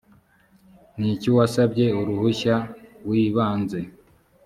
n icy uwasabye uruhushya w ibanze